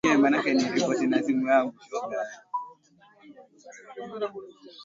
Kamasi au uchafu kutokea puani pamoja na mate kudondoka